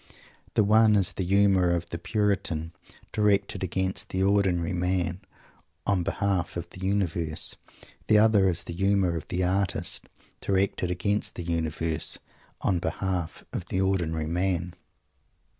The one is the humour of the Puritan, directed against the ordinary man, on behalf of the Universe. The other is the humour of the Artist, directed against the Universe, on behalf of the ordinary man.